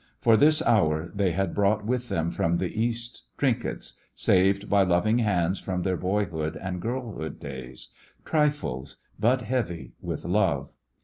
For this hour they had brought with them from the East trinkets, saved by loving hands from their boyhood and girlhood days — trifles, but heavy with love.